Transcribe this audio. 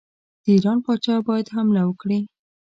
د ایران پاچا باید حمله وکړي.